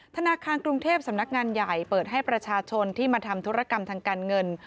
ธนาคารกรุงเทพสำนักงานใหญ่เปิดให้ประชาชนที่มาทำธุรกรรมทางการเงิน